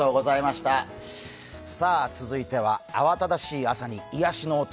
続いては慌ただしい朝に癒やしの音。